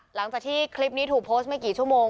หลังจากที่คลิปนี้ถูกโพสต์ไม่กี่ชั่วโมง